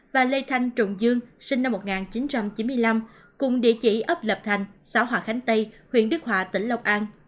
và lê thanh trùng dương sinh năm một nghìn chín trăm chín mươi năm cùng địa chỉ ấp lập thành xã hòa khánh tây huyện đức hòa tỉnh long an